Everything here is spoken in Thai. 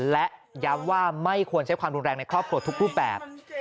และย้ำว่าไม่ควรใช้ความรุนแรงในครอบครัวทุกรูปแบบ